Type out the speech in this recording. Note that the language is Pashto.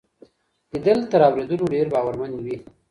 ليدل تر اورېدلو ډېر باورمن وي.